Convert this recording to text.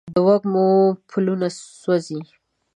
د وږمو پلونه سوزي